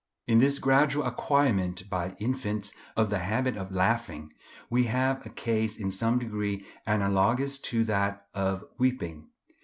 In this gradual acquirement, by infants, of the habit of laughing, we have a case in some degree analogous to that of weeping.